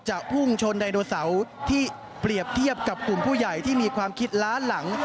พุ่งชนไดโนเสาร์ที่เปรียบเทียบกับกลุ่มผู้ใหญ่ที่มีความคิดล้านหลัง